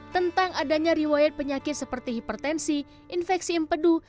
tentang adanya riwayat penyakit seperti hipertensi infeksi impedu